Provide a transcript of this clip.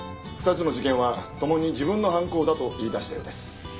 ２つの事件は共に自分の犯行だと言い出したようです。